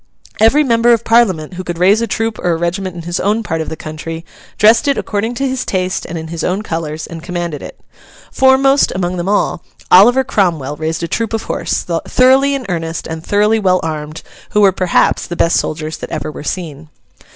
Every member of Parliament who could raise a troop or a regiment in his own part of the country, dressed it according to his taste and in his own colours, and commanded it. Foremost among them all, Oliver Cromwell raised a troop of horse—thoroughly in earnest and thoroughly well armed—who were, perhaps, the best soldiers that ever were seen.